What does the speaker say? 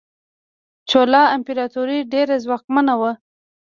چولا امپراتوري ډیره ځواکمنه وه.